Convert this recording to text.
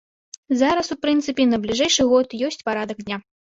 Зараз, у прынцыпе, на бліжэйшы год ёсць парадак дня.